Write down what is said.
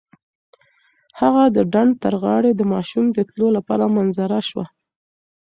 هغه د ډنډ تر غاړې د ماشومانو د تلو لپاره منتظره شوه.